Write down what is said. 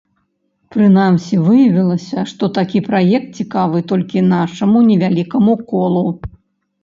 Прынамсі, выявілася, што такі праект цікавы толькі нашаму невялікаму колу.